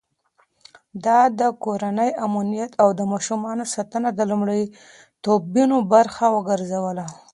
ده د کورنۍ امنيت او د ماشومانو ساتنه د لومړيتوبونو برخه وګرځوله.